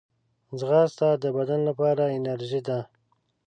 ځغاسته د بدن لپاره انرژي ده